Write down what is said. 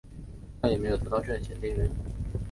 他也没有得到正弦定律。